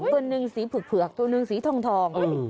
ตัวหนึ่งสีเผือกตัวหนึ่งสีทอง